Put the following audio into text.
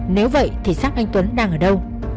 nếu vậy thì sát anh tuấn đang ở đâu